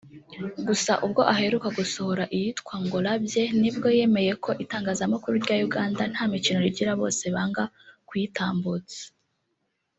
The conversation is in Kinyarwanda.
gusa ubwo aheruka gusohora iyitwa’ Ngolabye’ nibwo yemeye ko itangazamakuru rya Uganda nta mikino rigira bose banga kuyitambutsa